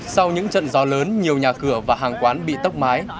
sau những trận gió lớn nhiều nhà cửa và hàng quán bị tốc mái